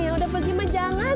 ya udah pergi mah jangan